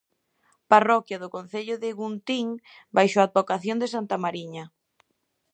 Parroquia do concello de Guntín baixo a advocación de santa Mariña.